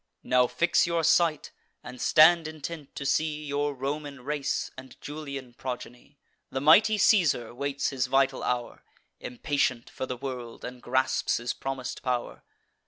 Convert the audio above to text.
"Now fix your sight, and stand intent, to see Your Roman race, and Julian progeny. The mighty Caesar waits his vital hour, Impatient for the world, and grasps his promis'd pow'r.